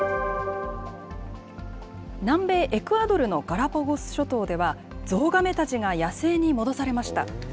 南米エクアドルのガラパゴス諸島では、ゾウガメたちが野生に戻されました。